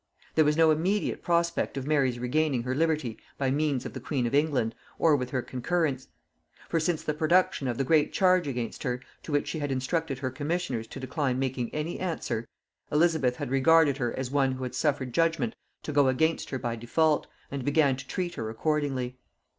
There was no immediate prospect of Mary's regaining her liberty by means of the queen of England, or with her concurrence; for since the production of the great charge against her, to which she had instructed her commissioners to decline making any answer, Elizabeth had regarded her as one who had suffered judgement to go against her by default, and began to treat her accordingly.